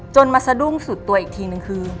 มาสะดุ้งสุดตัวอีกทีนึงคือ